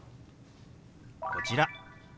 こちら。